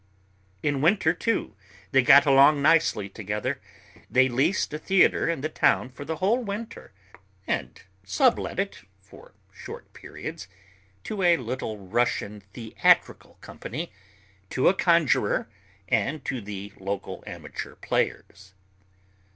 In winter, too, they got along nicely together. They leased a theatre in the town for the whole winter and sublet it for short periods to a Little Russian theatrical company, to a conjuror and to the local amateur players.